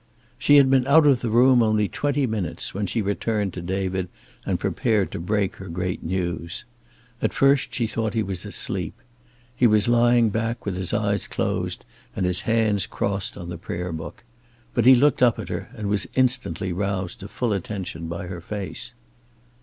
She had been out of the room only twenty minutes when she returned to David and prepared to break her great news. At first she thought he was asleep. He was lying back with his eyes closed and his hands crossed on the prayer book. But he looked up at her, and was instantly roused to full attention by her face.